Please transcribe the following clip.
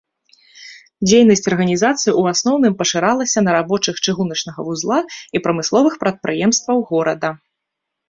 Дзейнасць арганізацыі ў асноўным пашыралася на рабочых чыгуначнага вузла і прамысловых прадпрыемстваў горада.